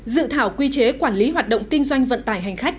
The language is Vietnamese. dự thảo quy chế quản lý hoạt động kinh doanh vận tải hành khách